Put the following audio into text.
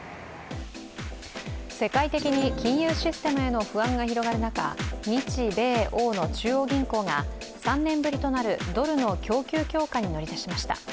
世界的に金融システムへの不安が広がる中、日米欧の中央銀行が３年ぶりとなるドルの供給強化に乗り出しました。